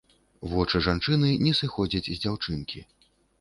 Вочы жанчыны не сыходзяць з дзяўчынкі.